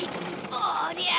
おりゃ！